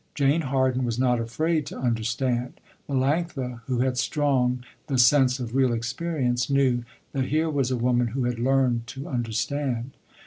Jane Harden was not afraid to understand. Melanctha who had strong the sense for real experience, knew that here was a woman who had learned to understand.